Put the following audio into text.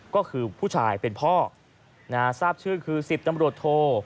ก็คือผู้ชายเป็นพ่อทราบชื่อคือ๑๐ตำรวจโท